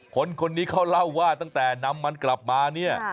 คนนี้เขาเล่าว่าตั้งแต่นำมันกลับมาเนี่ย